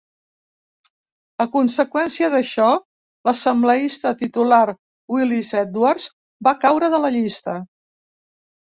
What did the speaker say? A conseqüència d'això, l'assembleista titular Willis Edwards va caure de la llista.